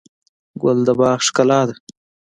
ګل د باغ ښکلا ده.